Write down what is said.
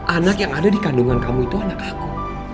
anak yang ada di kandungan kamu itu anak aku